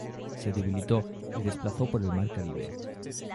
Se debilitó, y desplazó por el mar Caribe.